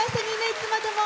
いつまでも。